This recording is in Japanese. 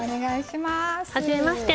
はじめまして。